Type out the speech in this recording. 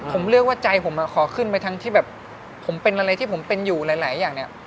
ผมเลือกว่าใจผมขอขึ้นไปทั้งที่แบบผมเป็นอะไรที่ผมเป็นอยู่หลายอย่างเนี่ย